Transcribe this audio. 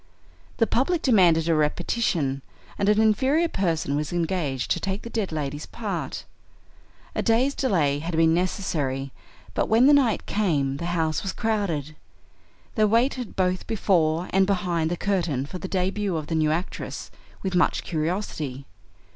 The public demanded a repetition, and an inferior person was engaged to take the dead lady's part. A day's delay had been necessary, but when the night came the house was crowded. They waited both before and behind the curtain for the debut of the new actress, with much curiosity.